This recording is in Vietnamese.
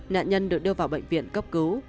nạn nhân được đưa vào bệnh viện cấp cứu